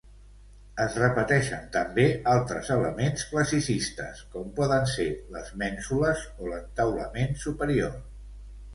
Es repeteixen també altres elements classicistes com poden ser les mènsules o l'entaulament superior.